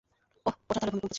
ওহ, ওটা তাহলে ভূমিকম্প ছিলো।